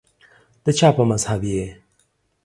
دچا په مذهب یی